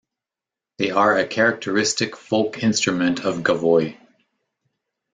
They are a characteristic folk instrument of Gavoi.